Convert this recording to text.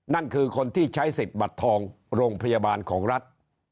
นั่นคือคนที่ใช้สิทธิ์บัตรทองโรงพยาบาลของรัฐ